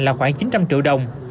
là khoảng chín trăm linh triệu đồng